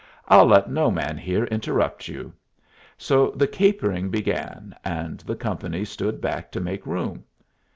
"I'll let no man here interrupt you." So the capering began, and the company stood back to make room.